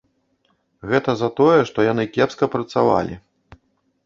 Гэта за тое, што яны кепска працавалі.